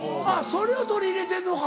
それを取り入れてんのか。